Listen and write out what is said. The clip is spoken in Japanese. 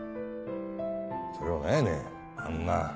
それを何やねんあんな